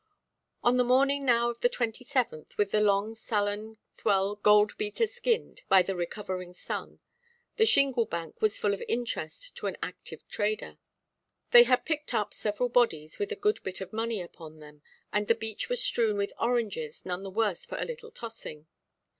On the morning now of the 27th, with the long sullen swell gold–beater–skinned by the recovering sun, the shingle–bank was full of interest to an active trader. They had picked up several bodies with a good bit of money upon them, and the beach was strewn with oranges none the worse for a little tossing.